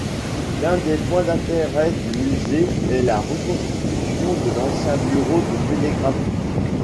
L’un des points d’intérêt du musée est la reconstitution de l'ancien bureau de télégraphie.